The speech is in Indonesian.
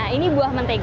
nah ini buah mentega